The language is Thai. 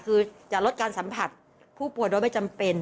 คือจะลดการสัมผัสผู้ป่วยโดยไม่จำเป็น